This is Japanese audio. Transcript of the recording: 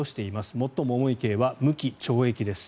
最も重い刑は無期懲役です。